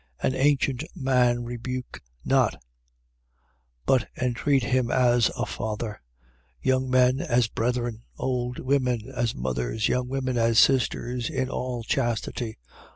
5:1. An ancient man rebuke not, but entreat him as a father: young men, as brethren: 5:2. Old women, as mothers: young women, as sisters, in all chastity.